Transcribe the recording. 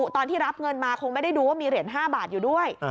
ตอนที่รับเงินมาคงไม่ได้ดูว่ามีเหรียญ๕บาทอยู่ด้วย